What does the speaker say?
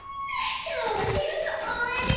今日の仕事終わり！